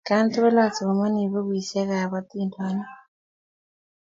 Atkan tukul asomani pukuisyek ap atindyonik